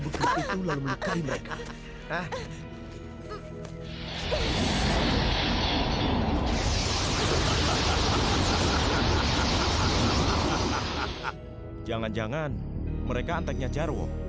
aku gak bisa membencinya